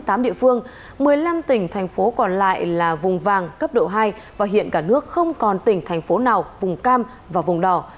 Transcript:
một địa phương một mươi năm tỉnh thành phố còn lại là vùng vàng cấp độ hai và hiện cả nước không còn tỉnh thành phố nào vùng cam và vùng đỏ